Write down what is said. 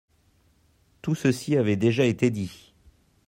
Tout ceci avait déjà été dit.